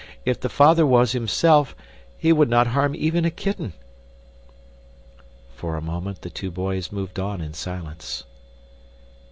If the father was himself, he would not harm even a kitten." For a moment the two boys moved on in silence.